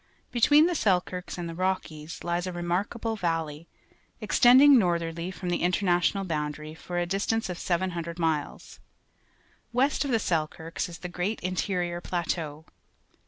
Between the Selkirks and the Rockies lies a remarkable valley, extending northerly from the international boundary for a di.s tance of 700 miles. West of the Selkirks is the great Interior Plateau.